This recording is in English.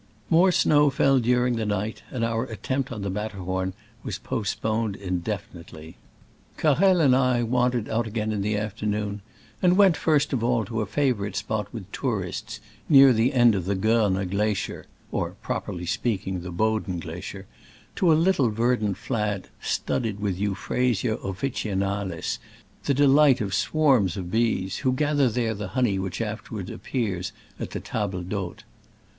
More snow fell during the night, and our attempt on the Matterhorn was post poned indefinitely. Carrel and I wan dered out again in the afternoon, and went, first of all, to a favorite spot with tourists near the end of the Gorner gla cier (or, properly speaking, the Boden glacier), to a little verdant flat studded Digitized by Google f>2 SCRAMBLES AMONGST THE ALPS IN i86<> »69. with Euphrasia officinalis, the delight of swarms of bees, who gather there the honey which afterward appears at the table d^hote.